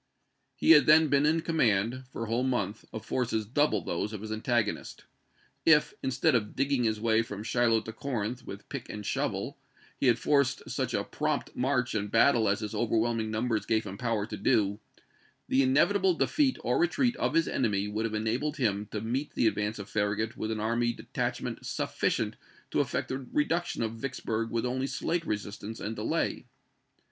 He had then been in command, for a whole month, of forces double those of his antagonist. If, instead of digging his way from Shiloh to Corinth " with pick and shovel," he had forced such a prompt march and battle as his overwhelming numbers gave him power to do, the inevitable defeat or retreat of his enemy would have enabled him to meet the advance of Farragut with an army detach ment sufficient to effect the reduction of Vicksburg with only slight resistance and delay.